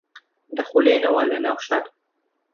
دەخولێنەوە لە ناو شار